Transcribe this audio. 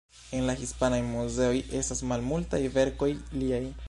En la hispanaj muzeoj estas malmultaj verkoj liaj.